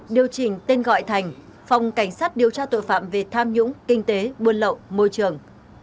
điều chỉnh tên gọi thành phòng cảnh sát điều tra tội phạm về tham nhũng kinh tế buôn lậu môi trường